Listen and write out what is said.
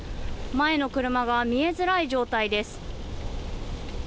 前の車が見えづらい状態です。